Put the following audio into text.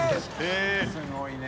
すごいね。